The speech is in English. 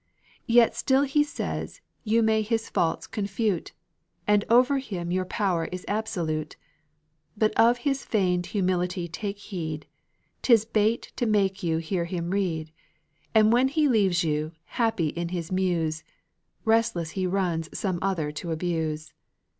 Yet still he says you may his faults confute, And over him your power is absolute. But of his feigned humility take heed: 'Tis a bait laid to make you hear him read; And when he leaves you, happy in his muse, Restless he runs some other to abuse.